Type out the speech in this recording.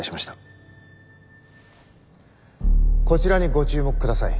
こちらにご注目ください。